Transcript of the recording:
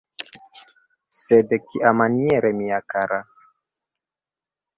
Sed kiamaniere, mia kara?